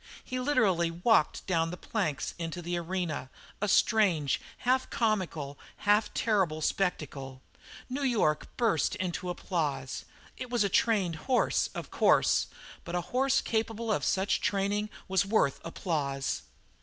He literally walked down the planks into the arena, a strange, half comical, half terrible spectacle. New York burst into applause. It was a trained horse, of course, but a horse capable of such training was worth applause.